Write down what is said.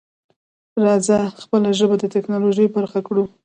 راځه خپله ژبه د ټکنالوژۍ برخه کړو.